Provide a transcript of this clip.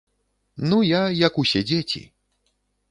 Ну я, як усе дзеці.